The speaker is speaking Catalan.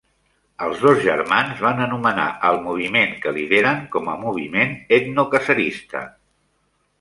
Els dos germans van anomenar el moviment que lideren com a "Moviment etnocacerista".